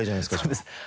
そうです。